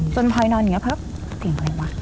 จนพลอยนอนอย่างนี้เพราะว่าเสียงอะไรวะ